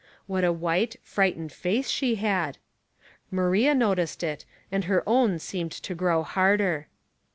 What a white, frightened face she had ! Maria noticed it, and her own seemed to grow harder.